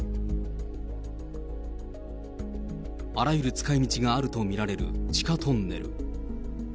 あらゆる使いみちがあると見られる地下トンネル。